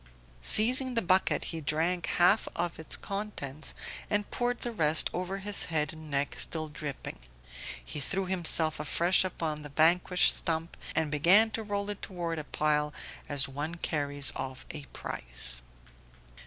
Seizing the bucket he drank half its contents and poured the rest over his head and neck; still dripping, he threw himself afresh upon the vanquished stump and began to roll it toward a pile as one carries off a prize.